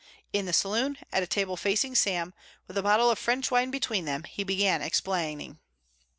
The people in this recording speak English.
In the saloon at a table facing Sam, with a bottle of French wine between them, he began explaining.